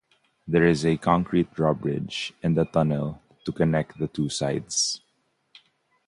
There is a concrete drawbridge and a tunnel to connect the two sides.